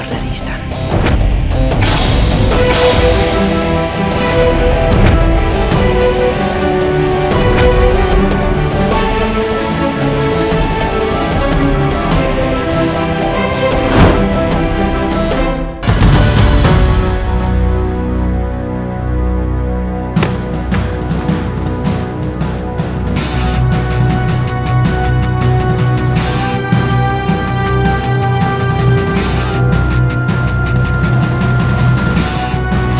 penjagaan istana sedang lemah